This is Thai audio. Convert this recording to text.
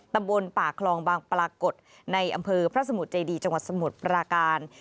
ตำบลป่าคลองบางปรากฏในอำเภอพระสมุทรเจดีจังหวัดสมุทรปราการ